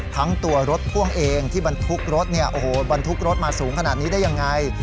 ทั้งตัวรถพ่วงเองที่บรรทุกรถเนี่ยโอ้โหบรรทุกรถมาสูงขนาดนี้ได้ยังไง